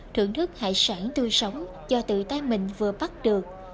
thưởng thức hải sản tươi sống do tự tay mình vừa bắt được